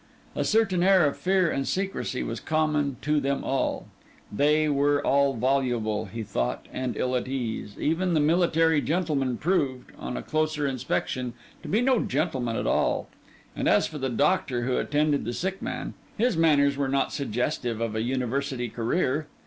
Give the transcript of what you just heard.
A certain air of fear and secrecy was common to them all; they were all voluble, he thought, and ill at ease; even the military gentleman proved, on a closer inspection, to be no gentleman at all; and as for the doctor who attended the sick man, his manners were not suggestive of a university career.